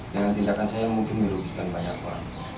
dengan tindakan saya mungkin merugikan banyak orang